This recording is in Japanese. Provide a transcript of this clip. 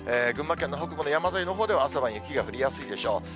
群馬県の北部の山沿いのほうでは朝晩雪が降りやすいでしょう。